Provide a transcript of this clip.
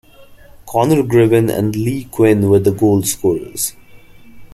Conor Gribben and Lee Quinn were the goal scorers.